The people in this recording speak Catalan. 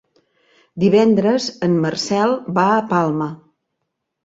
Divendres en Marcel va a Palma.